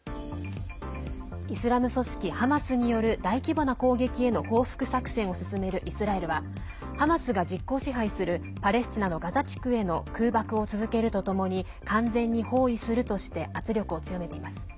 イスラム組織ハマスによる大規模な攻撃への報復作戦を進めるイスラエルはハマスが実効支配するパレスチナのガザ地区への空爆を続けるとともに完全に包囲するとして圧力を強めています。